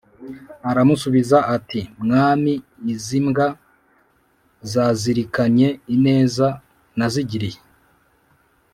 aramusubiza ati: "mwami, izi mbwa zazirikanye ineza nazigiriye